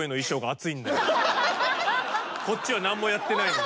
こっちは何もやってないのに。